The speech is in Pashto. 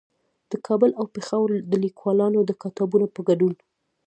د کابل او پېښور د ليکوالانو د کتابونو په ګډون